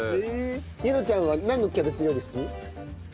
結望ちゃんはなんのキャベツ料理好き？